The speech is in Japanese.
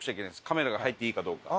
カメラが入っていいかどうか。